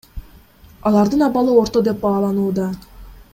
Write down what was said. Алардын абалы орто деп бааланууда.